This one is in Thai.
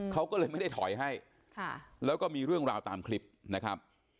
เขาก็เลยไม่ได้ถอยให้แล้วก็มีเรื่องราวตามคลิปนะครับ